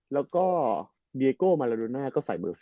แล้วก็เดียโก้มาลาโดน่าก็ใส่เบอร์๒